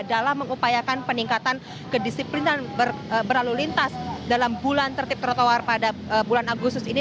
dalam mengupayakan peningkatan kedisiplinan berlalu lintas dalam bulan tertib trotoar pada bulan agustus ini